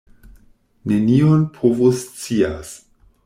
Nenion povoscias!